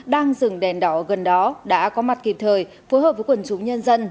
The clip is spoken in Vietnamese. đang dừng đèn đỏ gần đó đã có mặt kịp thời phối hợp với quần chúng nhân dân